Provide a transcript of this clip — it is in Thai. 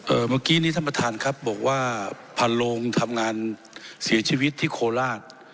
เมื่อกี้นี้ท่านประธานครับบอกว่าพันโลงทำงานเสียชีวิตที่โคราช